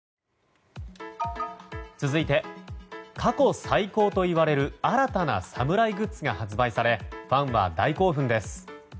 続いて過去最高といわれる新たな侍グッズが発売されファンは大興奮です。